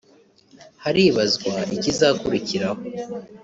haribazwa ikizakurikiraho